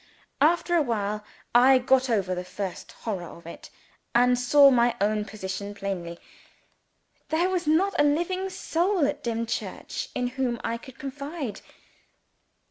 After awhile, I got over the first horror of it, and saw my own position plainly. There was not a living soul at Dimchurch in whom I could confide.